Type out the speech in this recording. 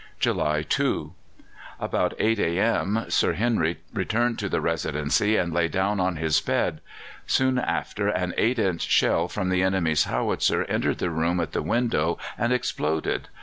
July 2. About 8 a.m. Sir Henry returned to the Residency and lay down on his bed. Soon after an 8 inch shell from the enemy's howitzer entered the room at the window and exploded.